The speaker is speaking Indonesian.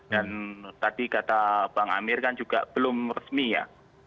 dan tadi kata bang amir kan juga belum resmi ya